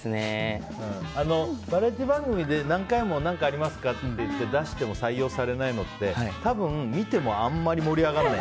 バラエティー番組で何回も、何かありますか？って聞かれて、出して採用されないのって多分、見てもあまり盛り上がらない。